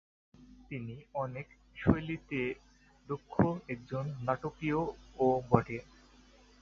তিনি অনেক শৈলীতে দক্ষ একজন নর্তকী ও বটে।